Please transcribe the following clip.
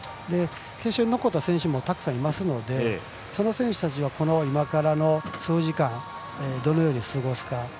決勝に残った選手もたくさんいますのでその選手たちが今からの数時間どのように過ごすか。